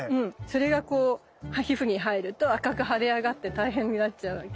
それが皮膚に入ると赤く腫れ上がって大変になっちゃうわけ。